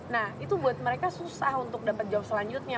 nah itu buat mereka susah untuk dapat jawab selanjutnya